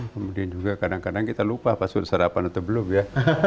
kemudian juga kadang kadang kita lupa pas sudah sarapan atau belum ya